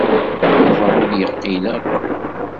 Yuba ur d-yeqqil akk.